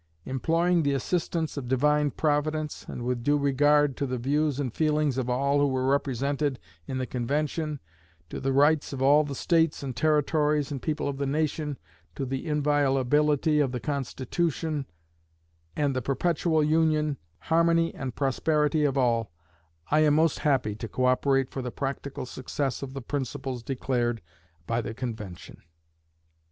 Imploring the assistance of Divine Providence, and with due regard to the views and feelings of all who were represented in the convention, to the rights of all the States and Territories and people of the nation, to the inviolability of the Constitution, and the perpetual union, harmony and prosperity of all, I am most happy to co operate for the practical success of the principles declared by the convention.